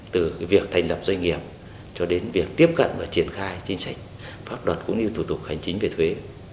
từ việc thành lập doanh nghiệp cho đến việc tiếp cận và triển khai chính sách pháp luật cũng như thủ tục hành chính về thuế